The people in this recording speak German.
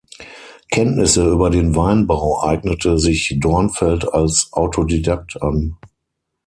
Kenntnisse über den Weinbau eignete sich Dornfeld als Autodidakt an.